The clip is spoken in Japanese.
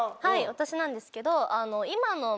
はい私なんですけど。